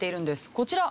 こちら。